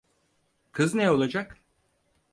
Kız ne olacak?